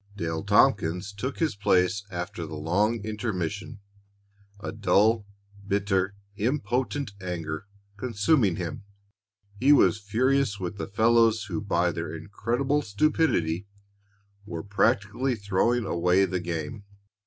Dale Tompkins took his place after the long intermission, a dull, bitter, impotent anger consuming him. He was furious with the fellows who by their incredible stupidity were practically throwing away the game.